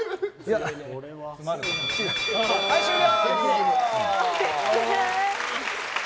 はい、終了。